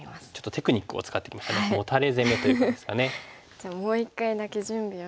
じゃあもう一回だけ準備をして。